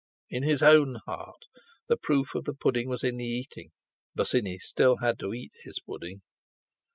In his own heart! The proof of the pudding was in the eating—Bosinney had still to eat his pudding.